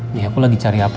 ya aku lagi cari apoteknya